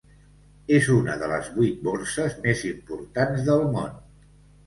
És una de les vuit borses més importants del món.